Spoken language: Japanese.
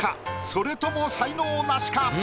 それとも才能ナシか？